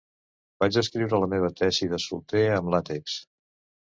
Vaig escriure la meva tesi de solter amb làtex.